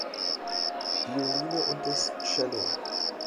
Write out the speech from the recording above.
Violine und des Cello.